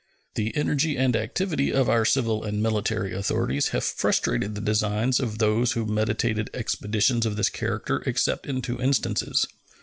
The energy and activity of our civil and military authorities have frustrated the designs of those who meditated expeditions of this character except in two instances.